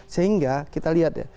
sehingga kita lihat ya